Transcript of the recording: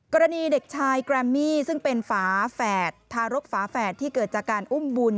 กรณีเด็กชายแกรมมี่ซึ่งเป็นฝาแฝดทารกฝาแฝดที่เกิดจากการอุ้มบุญ